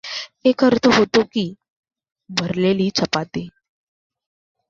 एक अर्थ होतो की भरलेली चपाती.